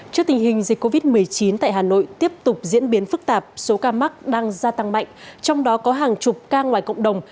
trước tình hình dịch covid một mươi chín tại hà nội tiếp tục diễn biến phức tạp số ca mắc đang gia tăng mạnh trong đó có hàng chục ca ngoài cộng đồng